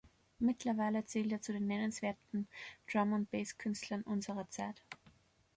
Mittlerweile zählt er zu den nennenswerten Drum-and-Bass-Künstlern unserer Zeit.